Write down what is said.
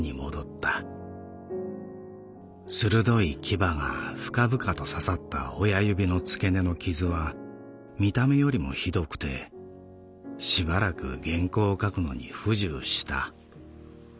鋭い牙が深々と刺さった親指の付け根の傷は見た目よりも酷くてしばらく原稿を書くのに不自由した。